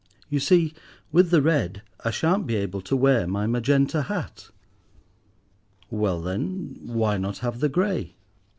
You see, with the red I shan't be able to wear my magenta hat." "Well then, why not have the grey?"